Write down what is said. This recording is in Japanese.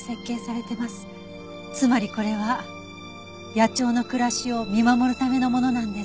つまりこれは野鳥の暮らしを見守るためのものなんです。